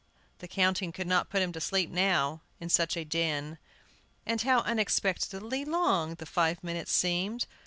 the counting could not put him to sleep now, in such a din. And how unexpectedly long the five minutes seemed!